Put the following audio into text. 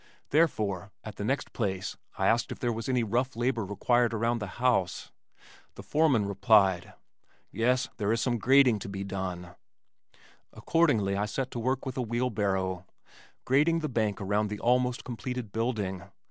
Therefore, at the next place I asked if there was any rough labor required around the house. The foreman replied: "Yes, there is some grading to be done." Accordingly I set to work with a wheelbarrow, grading the bank around the almost completed building.